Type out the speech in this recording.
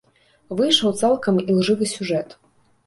Выйшаў цалкам ілжывы сюжэт.